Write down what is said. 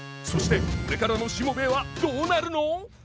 そしてこれからの「しもべえ」はどうなるの？